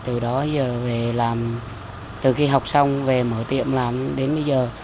từ đó giờ về làm từ khi học xong về mở tiệm làm đến bây giờ